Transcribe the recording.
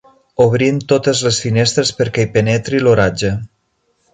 Obrint totes les finestres perquè hi penetri l'oratge.